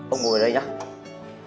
ông ngồi ở đây nhé